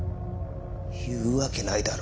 言うわけないだろ。